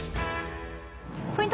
ポイント